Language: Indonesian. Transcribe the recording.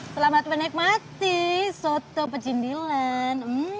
selamat menikmati soto pejindilan